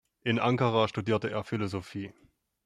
In Ankara studierte er Philosophie.